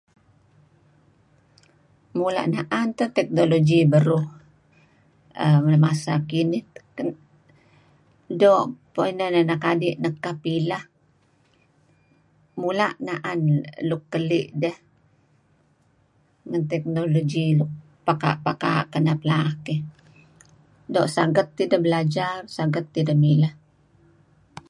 Mula' na'an teh teknologi beruh err... lem masa kinih doo' inan anak adi nekap ileh. Mula' na'an luk keli' deh. Nuk teknologi nuk pekaa' kenep-kenep laak dih. Doo' saget tideh belajar, saget tideh mileh.